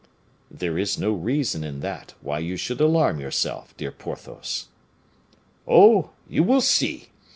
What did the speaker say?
"There is no reason in that why you should alarm yourself, dear Porthos." "Oh! you will see.